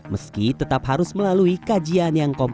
meski tetap harus melalui kajian yang komplain